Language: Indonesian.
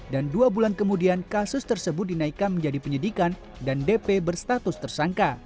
dan dua bulan kemudian kasus tersebut dinaikkan menjadi penyidikan dan dp berstatus tersangka